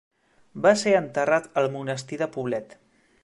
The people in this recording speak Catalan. Va ser enterrat al monestir de Poblet.